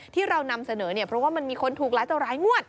ที่เรานำเสนอเนี่ยเพราะว่ามันมีคนถูกหลายต่อหลายงวด